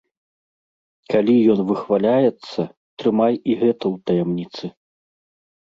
Калі ён выхваляецца, трымай і гэта ў таямніцы.